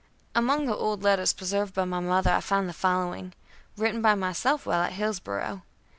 Among the old letters preserved by my mother I find the following, written by myself while at Hillsboro'.